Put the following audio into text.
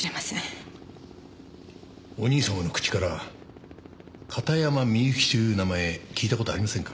お兄様の口から片山みゆきという名前聞いた事ありませんか？